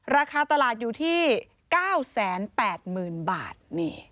ราคาตลาดอยู่ที่๙๘๐๐๐บาท